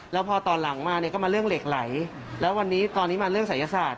แล้วพอตอนหลังมาเนี่ยก็มาเรื่องเหล็กไหลแล้ววันนี้ตอนนี้มาเรื่องศัยศาสต